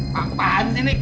pak aman sih nif